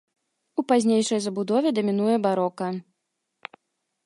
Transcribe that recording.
У пазнейшай забудове дамінуе барока.